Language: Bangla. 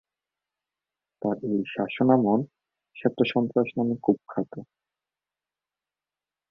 তার এই শাসনামল "শ্বেত-সন্ত্রাস" নামে কুখ্যাত।